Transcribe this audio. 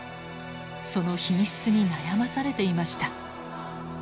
その品質に悩まされていました。